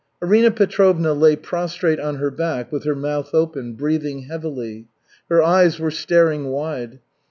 Arina Petrovna lay prostrate on her back with her mouth open, breathing heavily. Her eyes were staring wide.